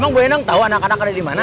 emang bu enang tau anak anak ada dimana